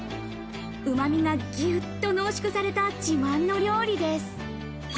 うまみがぎゅっと濃縮された自慢の料理です。